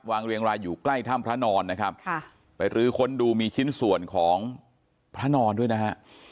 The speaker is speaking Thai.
เรียงรายอยู่ใกล้ถ้ำพระนอนนะครับค่ะไปรื้อค้นดูมีชิ้นส่วนของพระนอนด้วยนะฮะ